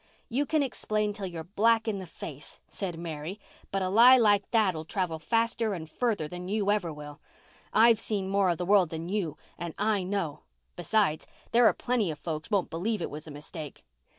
"You can explain till you're black in the face," said Mary, "but a lie like that'll travel faster'n further than you ever will. I'VE seen more of the world than you and I know. Besides, there are plenty of folks won't believe it was a mistake."